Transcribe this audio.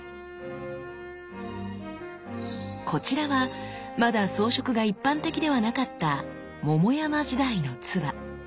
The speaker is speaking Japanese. こちらはまだ装飾が一般的ではなかった桃山時代の鐔。